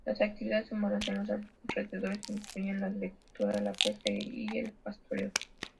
Las actividades humanas en los alrededores incluyen la agricultura, la pesca y el pastoreo.